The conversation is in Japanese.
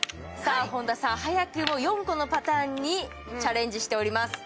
本田さん、早くも４個のパターンにチャレンジしております。